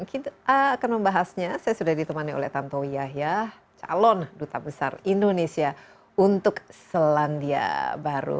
kita akan membahasnya saya sudah ditemani oleh tanto yahya calon duta besar indonesia untuk selandia baru